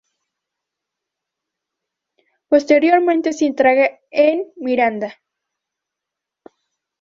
Posteriormente se integra en Miranda.